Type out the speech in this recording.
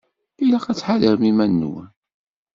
Ilaq ad tḥadrem iman-nwen.